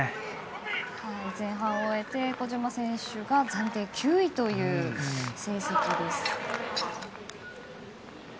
前半を終えて小島選手が暫定９位という成績です。